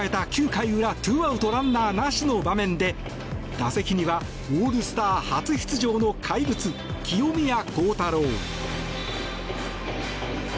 ９回裏２アウト、ランナーなしの場面で打席にはオールスター初出場の怪物清宮幸太郎。